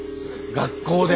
学校で？